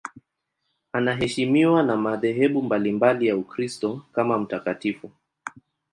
Anaheshimiwa na madhehebu mbalimbali ya Ukristo kama mtakatifu.